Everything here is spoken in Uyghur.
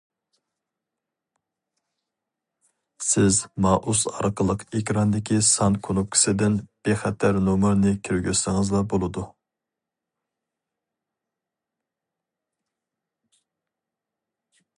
سىز مائۇس ئارقىلىق ئېكراندىكى سان كۇنۇپكىسىدىن بىخەتەر نومۇرنى كىرگۈزسىڭىزلا بولىدۇ.